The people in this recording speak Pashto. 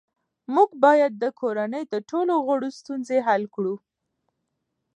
موږ باید د کورنۍ د ټولو غړو ستونزې حل کړو